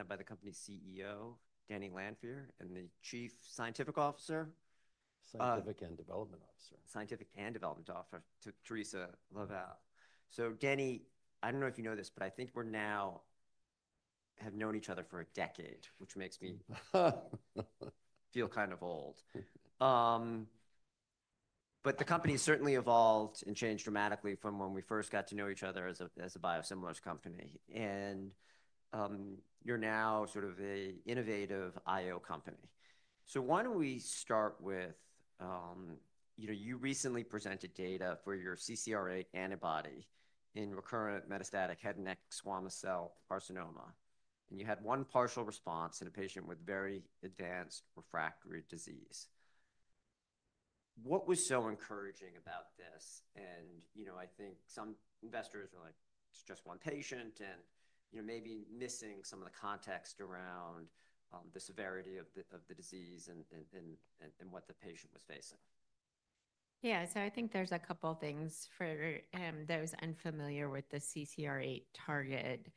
I'm by the company's CEO, Danny Lanfear, and the Chief Scientific Officer. Scientific and Development Officer. Scientific and Development Officer, Theresa Lavallee. Dennis, I do not know if you know this, but I think we now have known each other for a decade, which makes me feel kind of old. The company has certainly evolved and changed dramatically from when we first got to know each other as a biosimilars company. You are now sort of an innovative IO company. Why do we not start with, you recently presented data for your CCR8 antibody in recurrent metastatic head and neck squamous cell carcinoma. You had one partial response in a patient with very advanced refractory disease. What was so encouraging about this? I think some investors are like, it is just one patient, and maybe missing some of the context around the severity of the disease and what the patient was facing. Yeah, so I think there's a couple of things for those unfamiliar with the CCR8 target.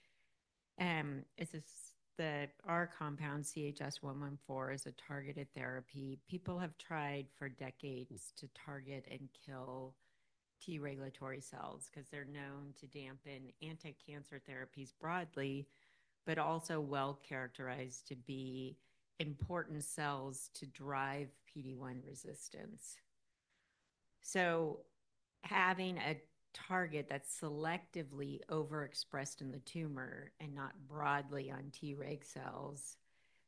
It's just that our compound, CHS-114, is a targeted therapy. People have tried for decades to target and kill T regulatory cells because they're known to dampen anti-cancer therapies broadly, but also well-characterized to be important cells to drive PD-1 resistance. Having a target that's selectively overexpressed in the tumor and not broadly on T reg cells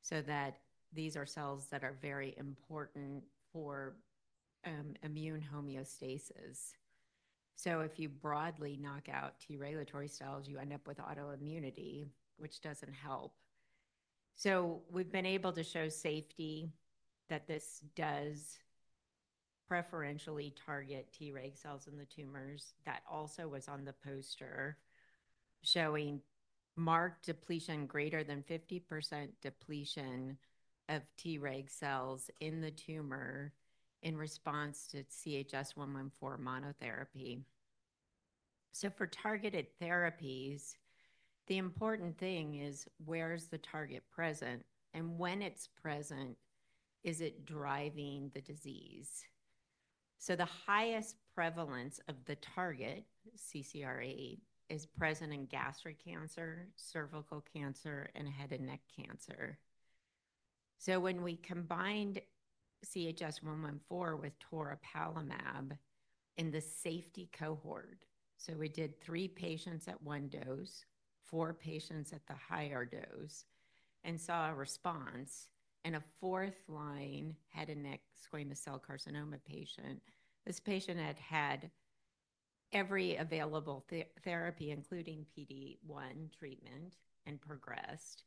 so that these are cells that are very important for immune homeostasis. If you broadly knock out T regulatory cells, you end up with autoimmunity, which doesn't help. We've been able to show safety that this does preferentially target T reg cells in the tumors. That also was on the poster, showing marked depletion, greater than 50% depletion of T reg cells in the tumor in response to CHS-114 monotherapy. For targeted therapies, the important thing is where's the target present? And when it's present, is it driving the disease? The highest prevalence of the target, CCR8, is present in gastric cancer, cervical cancer, and head and neck cancer. When we combined CHS-114 with toripalimab in the safety cohort, we did three patients at one dose, four patients at the higher dose, and saw a response. In a fourth line head and neck squamous cell carcinoma patient, this patient had had every available therapy, including PD-1 treatment, and progressed.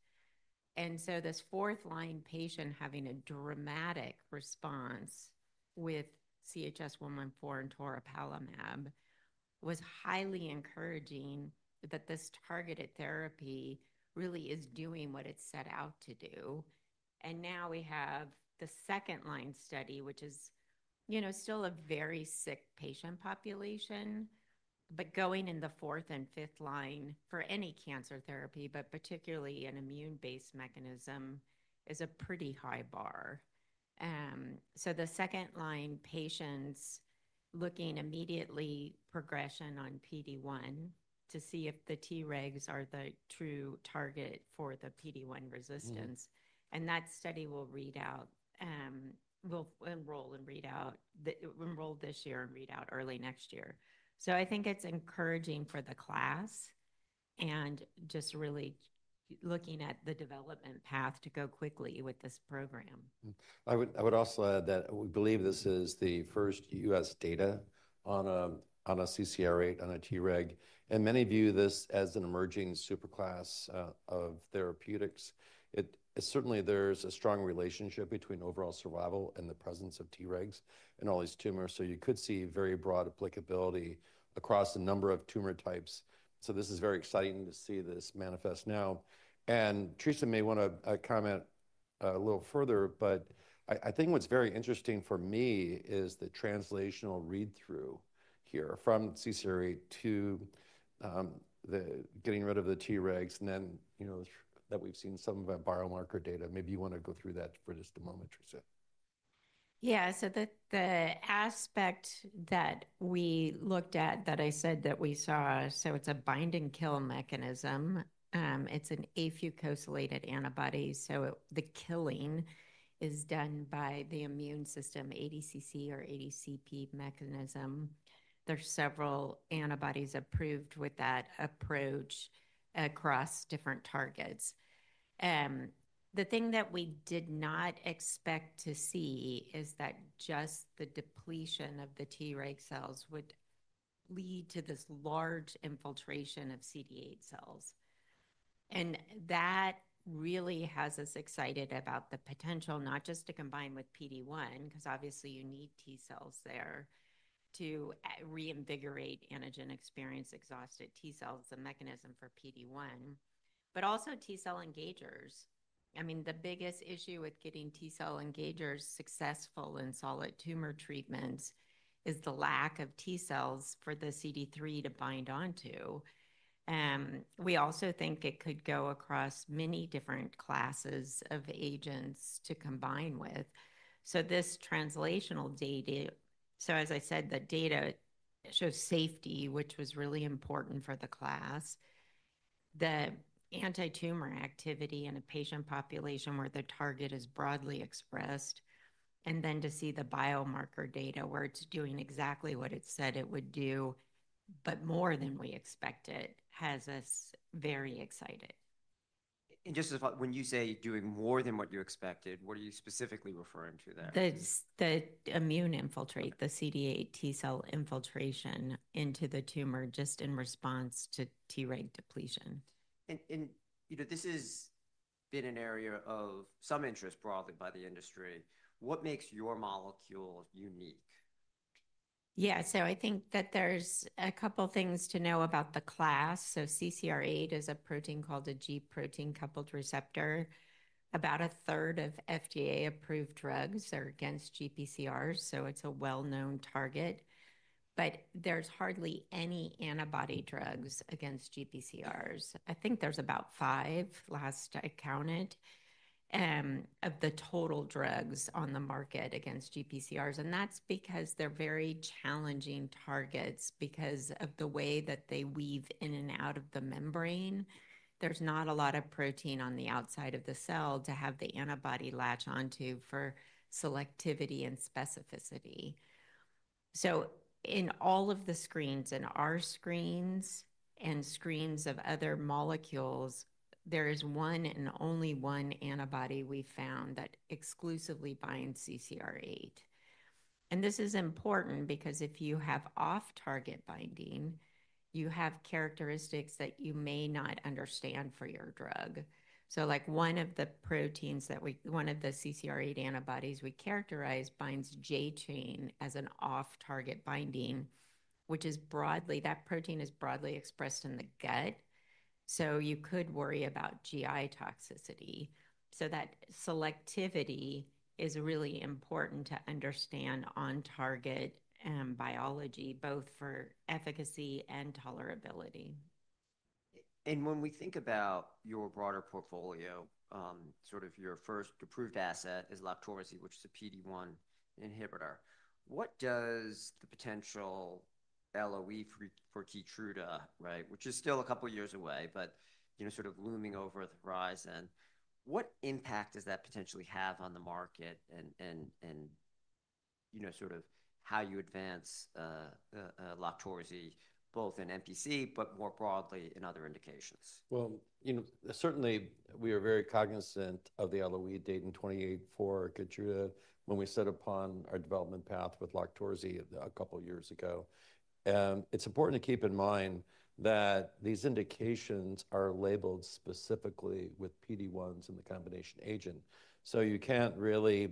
This fourth line patient having a dramatic response with CHS-114 and toripalimab was highly encouraging that this targeted therapy really is doing what it's set out to do. Now we have the second line study, which is, you know, still a very sick patient population, but going in the fourth and fifth line for any cancer therapy, but particularly an immune-based mechanism, is a pretty high bar. The second line patients looking immediately progression on PD-1 to see if the T regs are the true target for the PD-1 resistance. That study will enroll this year and read out early next year. I think it is encouraging for the class and just really looking at the development path to go quickly with this program. I would also add that we believe this is the first U.S. data on a CCR8 on a T reg. Many view this as an emerging superclass of therapeutics. Certainly, there is a strong relationship between overall survival and the presence of T regs in all these tumors. You could see very broad applicability across a number of tumor types. This is very exciting to see this manifest now. Theresa may want to comment a little further, but I think what is very interesting for me is the translational read-through here from CCR8 to the getting rid of the T regs and then, you know, that we have seen some of our biomarker data. Maybe you want to go through that for just a moment, Theresa. Yeah, so the aspect that we looked at that I said that we saw, so it's a binding kill mechanism. It's an afucosylated antibody. So the killing is done by the immune system, ADCC or ADCP mechanism. There are several antibodies approved with that approach across different targets. The thing that we did not expect to see is that just the depletion of the T regulatory cells would lead to this large infiltration of CD8 T cells. And that really has us excited about the potential, not just to combine with PD-1, because obviously you need T cells there to reinvigorate antigen experience exhausted T cells, the mechanism for PD-1, but also T cell engagers. I mean, the biggest issue with getting T cell engagers successful in solid tumor treatments is the lack of T cells for the CD3 to bind onto. We also think it could go across many different classes of agents to combine with. This translational data, as I said, the data shows safety, which was really important for the class, the anti-tumor activity in a patient population where the target is broadly expressed, and then to see the biomarker data where it's doing exactly what it said it would do, but more than we expected has us very excited. Just as well, when you say doing more than what you expected, what are you specifically referring to there? The immune infiltrate, the CD8 T cell infiltration into the tumor just in response to T reg depletion. This has been an area of some interest broadly by the industry. What makes your molecule unique? Yeah, so I think that there's a couple of things to know about the class. CCR8 is a protein called a G protein-coupled receptor. About a third of FDA approved drugs are against GPCRs, so it's a well-known target. But there's hardly any antibody drugs against GPCRs. I think there's about five last I counted of the total drugs on the market against GPCRs. And that's because they're very challenging targets because of the way that they weave in and out of the membrane. There's not a lot of protein on the outside of the cell to have the antibody latch onto for selectivity and specificity. So in all of the screens, in our screens and screens of other molecules, there is one and only one antibody we found that exclusively binds CCR8. This is important because if you have off-target binding, you have characteristics that you may not understand for your drug. Like one of the proteins that we, one of the CCR8 antibodies we characterize binds J chain as an off-target binding, which is broadly, that protein is broadly expressed in the gut. You could worry about GI toxicity. That selectivity is really important to understand on target biology, both for efficacy and tolerability. When we think about your broader portfolio, sort of your first approved asset is LOQTORZI, which is a PD-1 inhibitor. What does the potential LOE for Keytruda, right, which is still a couple of years away, but, you know, sort of looming over the horizon, what impact does that potentially have on the market and, you know, sort of how you advance LOQTORZI, both in NPC, but more broadly in other indications? You know, certainly we are very cognizant of the LOE date in 2024 for Keytruda when we set upon our development path with LOQTORZI a couple of years ago. It's important to keep in mind that these indications are labeled specifically with PD-1s in the combination agent. You can't really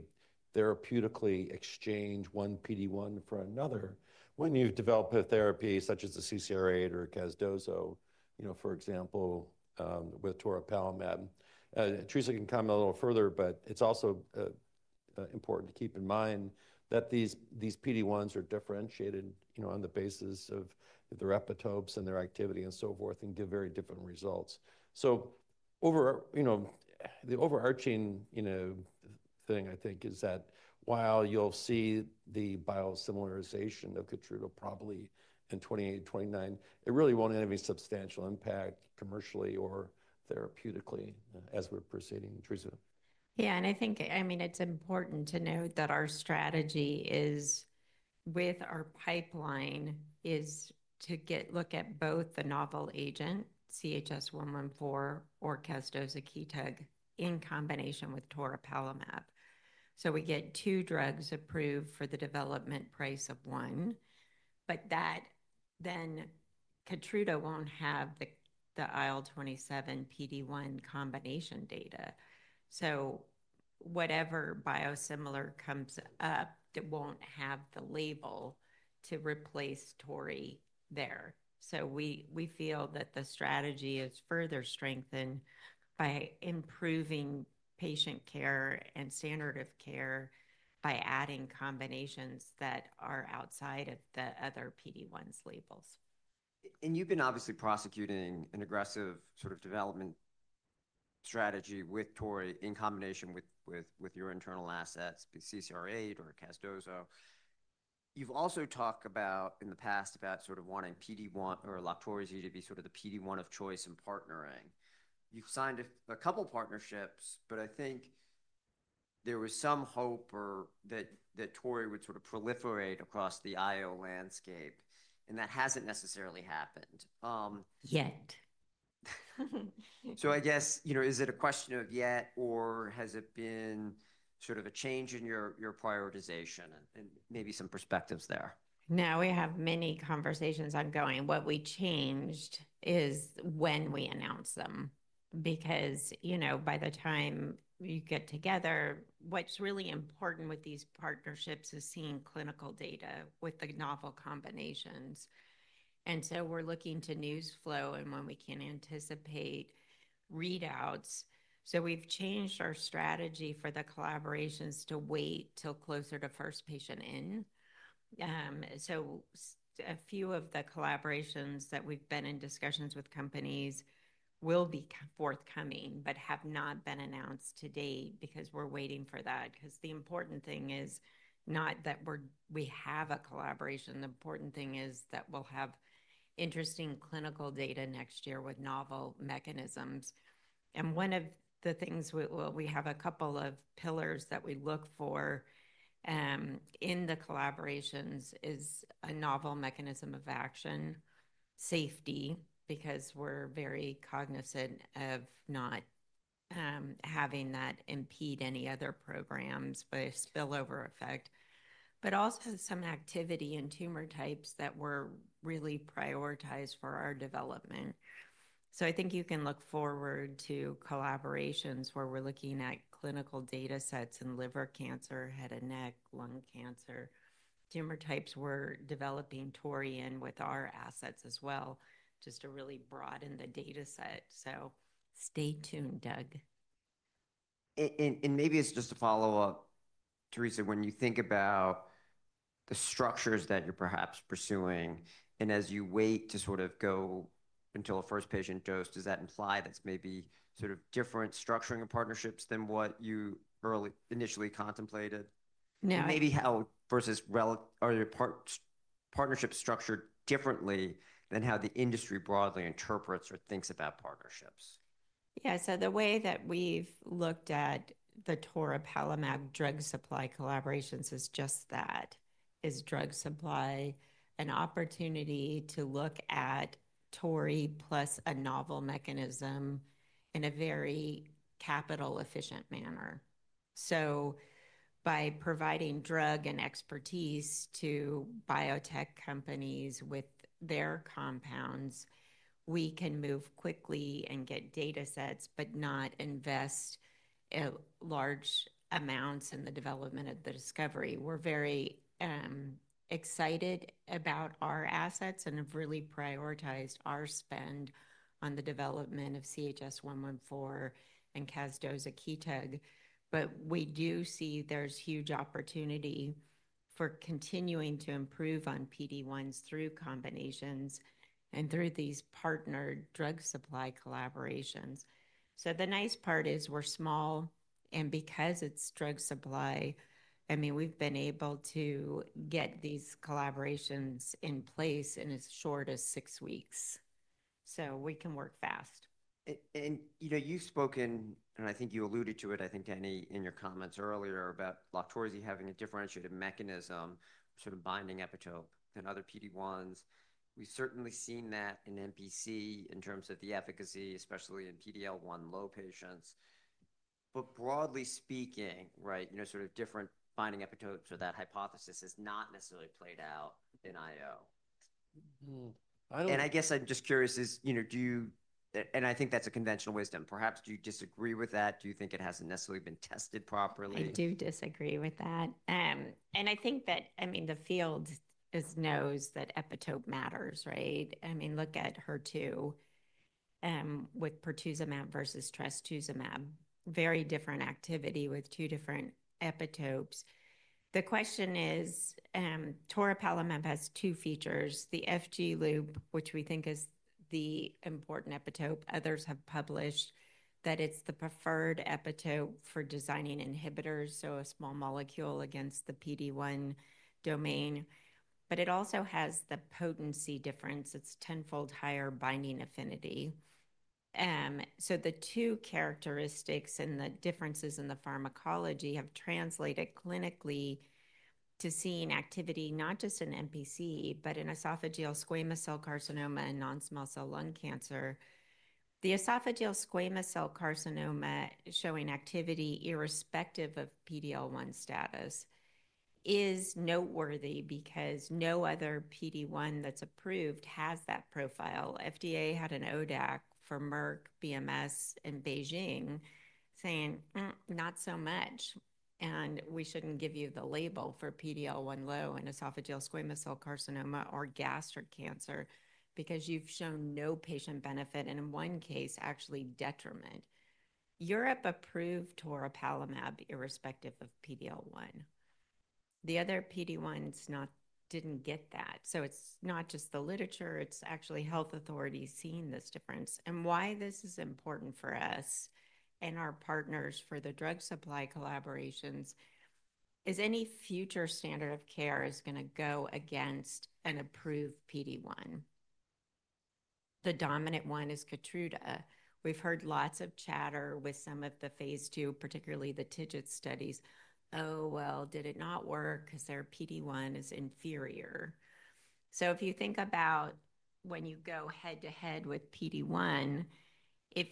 therapeutically exchange one PD-1 for another when you develop a therapy such as a CCR8 or a casdozokitug, you know, for example, with toripalimab. Theresa can comment a little further, but it's also important to keep in mind that these PD-1s are differentiated, you know, on the basis of their epitopes and their activity and so forth and give very different results. Overarching, you know, the thing I think is that while you'll see the biosimilarsation of Keytruda probably in 2028-2029, it really won't have any substantial impact commercially or therapeutically as we're proceeding, Theresa. Yeah, and I think, I mean, it's important to note that our strategy with our pipeline is to look at both the novel agent, CHS-114 or casdozokitug, in combination with toripalimab. We get two drugs approved for the development price of one, but then Keytruda won't have the IL-27 PD-1 combination data. Whatever biosimilar comes up, it won't have the label to replace Tori there. We feel that the strategy is further strengthened by improving patient care and standard of care by adding combinations that are outside of the other PD-1s' labels. You've been obviously prosecuting an aggressive sort of development strategy with Tori in combination with your internal assets, CCR8 or casdozokitug. You've also talked about in the past about sort of wanting PD-1 or LOQTORZI to be sort of the PD-1 of choice in partnering. You've signed a couple of partnerships, but I think there was some hope that Tori would sort of proliferate across the IO landscape, and that hasn't necessarily happened. Yet. I guess, you know, is it a question of yet or has it been sort of a change in your prioritization and maybe some perspectives there? No, we have many conversations ongoing. What we changed is when we announce them. Because, you know, by the time you get together, what's really important with these partnerships is seeing clinical data with the novel combinations. You know, we're looking to news flow and when we can anticipate readouts. We have changed our strategy for the collaborations to wait till closer to first patient in. A few of the collaborations that we've been in discussions with companies will be forthcoming, but have not been announced to date because we're waiting for that. The important thing is not that we have a collaboration. The important thing is that we'll have interesting clinical data next year with novel mechanisms. One of the things we have, a couple of pillars that we look for in the collaborations, is a novel mechanism of action, safety, because we're very cognizant of not having that impede any other programs, but spillover effect, but also some activity in tumor types that we're really prioritizing for our development. I think you can look forward to collaborations where we're looking at clinical data sets in liver cancer, head and neck, lung cancer, tumor types we're developing Tori in with our assets as well, just to really broaden the data set. Stay tuned, Doug. Maybe it's just a follow-up, Theresa, when you think about the structures that you're perhaps pursuing and as you wait to sort of go until a first patient dose, does that imply that's maybe sort of different structuring of partnerships than what you initially contemplated? No. Maybe how versus are your partnerships structured differently than how the industry broadly interprets or thinks about partnerships? Yeah, so the way that we've looked at the toripalimab drug supply collaborations is just that, is drug supply an opportunity to look at Tori plus a novel mechanism in a very capital efficient manner. By providing drug and expertise to biotech companies with their compounds, we can move quickly and get data sets, but not invest large amounts in the development of the discovery. We're very excited about our assets and have really prioritized our spend on the development of CHS-114 and casdozokitug. We do see there's huge opportunity for continuing to improve on PD-1s through combinations and through these partnered drug supply collaborations. The nice part is we're small and because it's drug supply, I mean, we've been able to get these collaborations in place in as short as six weeks. We can work fast. You know, you've spoken, and I think you alluded to it, I think, Danny, in your comments earlier about LOQTORZI having a differentiated mechanism, sort of binding epitope than other PD-1s. We've certainly seen that in MPC in terms of the efficacy, especially in PD-L1 low patients. Broadly speaking, right, you know, sort of different binding epitopes or that hypothesis has not necessarily played out in IO. I guess I'm just curious, do you, and I think that's a conventional wisdom, perhaps do you disagree with that? Do you think it hasn't necessarily been tested properly? I do disagree with that. I think that, I mean, the field knows that epitope matters, right? I mean, look at HER2 with pertuzumab versus trastuzumab, very different activity with two different epitopes. The question is, toripalimab has two features, the FG loop, which we think is the important epitope, others have published that it is the preferred epitope for designing inhibitors, so a small molecule against the PD-1 domain. It also has the potency difference, it is 10-fold higher binding affinity. The two characteristics and the differences in the pharmacology have translated clinically to seeing activity not just in MPC, but in esophageal squamous cell carcinoma and non-small cell lung cancer. The esophageal squamous cell carcinoma showing activity irrespective of PD-L1 status is noteworthy because no other PD-1 that is approved has that profile. FDA had an ODAC for Merck, BMS, and Beijing saying, "Not so much." We shouldn't give you the label for PD-L1 low in esophageal squamous cell carcinoma or gastric cancer because you've shown no patient benefit and in one case, actually detriment. Europe approved toripalimab irrespective of PD-L1. The other PD-1s didn't get that. It is not just the literature, it is actually health authorities seeing this difference. Why this is important for us and our partners for the drug supply collaborations is any future standard of care is going to go against an approved PD-1. The dominant one is Keytruda. We've heard lots of chatter with some of the phase two, particularly the TIGET studies, "Oh, well, did it not work because their PD-1 is inferior." If you think about when you go head to head with PD-1, if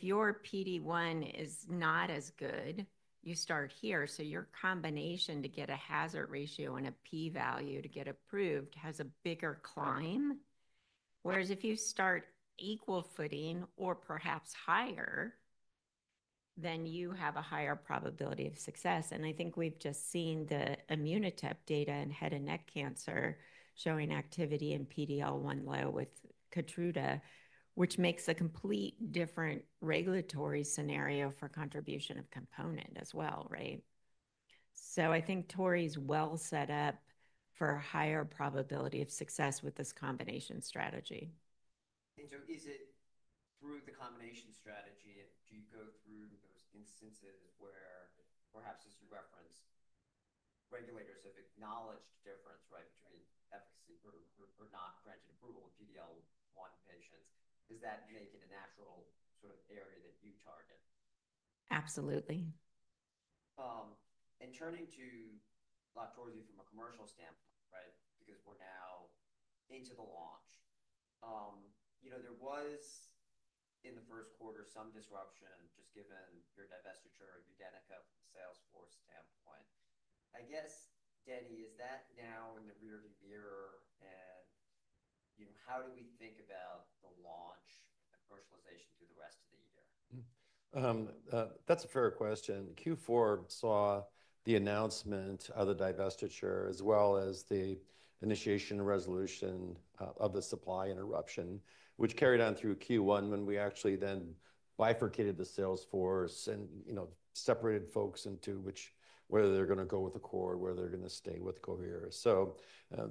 your PD-1 is not as good, you start here. Your combination to get a hazard ratio and a P value to get approved has a bigger climb. Whereas if you start equal footing or perhaps higher, you have a higher probability of success. I think we've just seen the ImmunoTEP data in head and neck cancer showing activity in PD-L1 low with Keytruda, which makes a complete different regulatory scenario for contribution of component as well, right? I think Tori is well set up for a higher probability of success with this combination strategy. Is it through the combination strategy, do you go through those instances where perhaps as you reference, regulators have acknowledged difference, right, between efficacy or not granted approval in PD-L1 patients? Does that make it a natural sort of area that you target? Absolutely. Turning to LOQTORZI from a commercial standpoint, right, because we're now into the launch, you know, there was in the first quarter some disruption just given your divestiture, your Denyeau from a Salesforce standpoint. I guess, Danny, is that now in the rearview mirror and, you know, how do we think about the launch and commercialization through the rest of the year? That's a fair question. Q4 saw the announcement of the divestiture as well as the initiation and resolution of the supply interruption, which carried on through Q1 when we actually then bifurcated the Salesforce and, you know, separated folks into which, whether they're going to go with Accord, whether they're going to stay with Coherus. So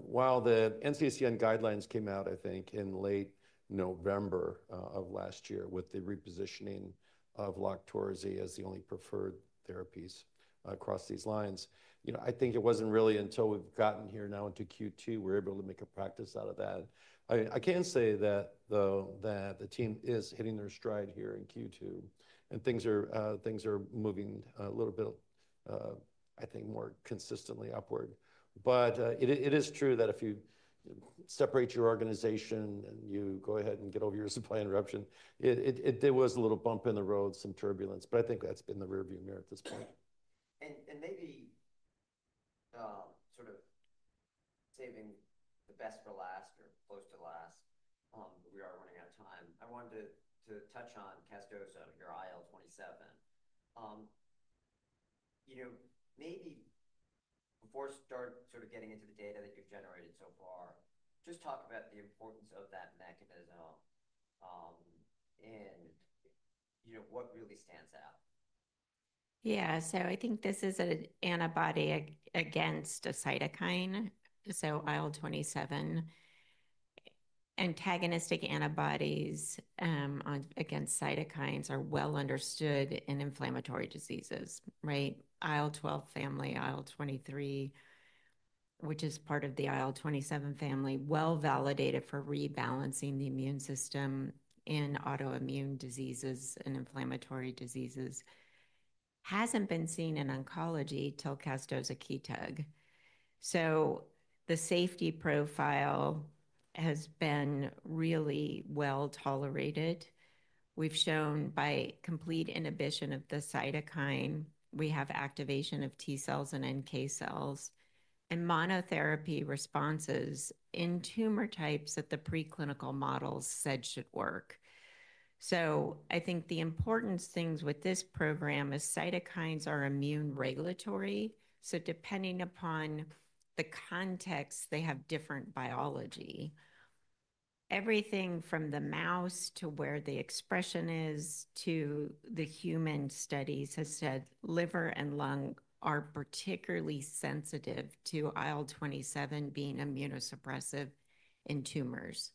while the NCCN guidelines came out, I think, in late November of last year with the repositioning of LOQTORZI as the only preferred therapies across these lines, you know, I think it wasn't really until we've gotten here now into Q2, we're able to make a practice out of that. I can say that the team is hitting their stride here in Q2 and things are moving a little bit, I think, more consistently upward. It is true that if you separate your organization and you go ahead and get over your supply interruption, there was a little bump in the road, some turbulence, but I think that's been in the rearview mirror at this point. Maybe sort of saving the best for last or close to last, but we are running out of time. I wanted to touch on casdozokitug, your IL-27. Maybe before we start sort of getting into the data that you've generated so far, just talk about the importance of that mechanism and, you know, what really stands out. Yeah, so I think this is an antibody against a cytokine, so IL-27. Antagonistic antibodies against cytokines are well understood in inflammatory diseases, right? IL-12 family, IL-23, which is part of the IL-27 family, well validated for rebalancing the immune system in autoimmune diseases and inflammatory diseases, hasn't been seen in oncology till casdozokitug. The safety profile has been really well tolerated. We've shown by complete inhibition of the cytokine, we have activation of T cells and NK cells and monotherapy responses in tumor types that the preclinical models said should work. I think the important things with this program is cytokines are immune regulatory. Depending upon the context, they have different biology. Everything from the mouse to where the expression is to the human studies has said liver and lung are particularly sensitive to IL-27 being immunosuppressive in tumors.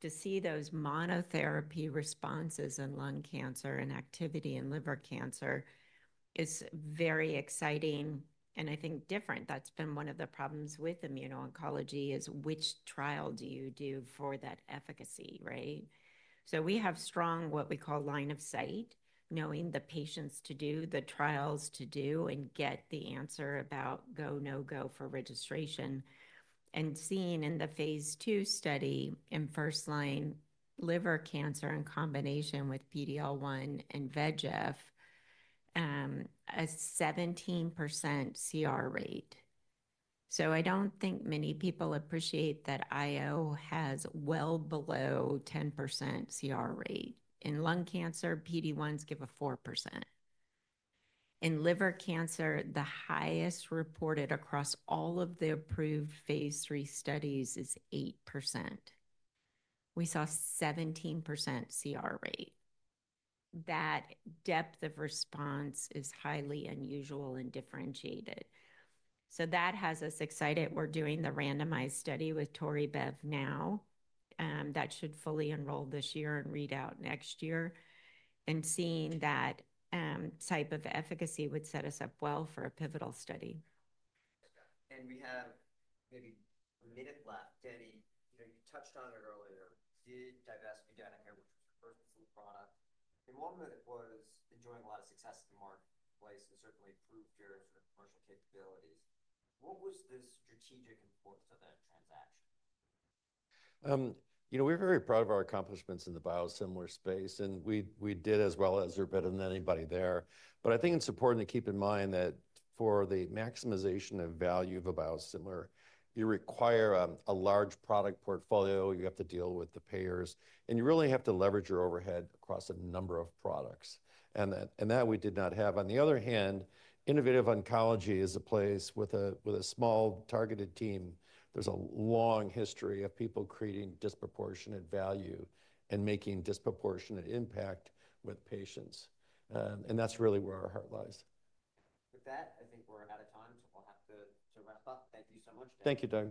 To see those monotherapy responses in lung cancer and activity in liver cancer is very exciting and I think different. That's been one of the problems with immuno-oncology is which trial do you do for that efficacy, right? We have strong what we call line of sight, knowing the patients to do, the trials to do and get the answer about go, no go for registration. Seeing in the phase two study in first line liver cancer in combination with PD-L1 and VEGF, a 17% CR rate. I don't think many people appreciate that IO has well below 10% CR rate. In lung cancer, PD-1s give a 4%. In liver cancer, the highest reported across all of the approved phase three studies is 8%. We saw 17% CR rate. That depth of response is highly unusual and differentiated. That has us excited. We're doing the randomized study with Tori Bev now. That should fully enroll this year and read out next year, and seeing that type of efficacy would set us up well for a pivotal study. We have maybe a minute left. Dennis, you touched on it earlier. You did divest Udenyca, which was the first full product, and one of it was enjoying a lot of success in the marketplace and certainly proved your sort of commercial capabilities. What was the strategic importance of that transaction? You know, we're very proud of our accomplishments in the biosimilar space and we did as well as or better than anybody there. I think it's important to keep in mind that for the maximization of value of a biosimilar, you require a large product portfolio, you have to deal with the payers, and you really have to leverage your overhead across a number of products. That we did not have. On the other hand, innovative oncology is a place with a small targeted team. There's a long history of people creating disproportionate value and making disproportionate impact with patients. That's really where our heart lies. With that, I think we're out of time, so we'll have to wrap up. Thank you so much. Thank you.